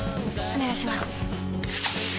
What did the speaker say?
お願いします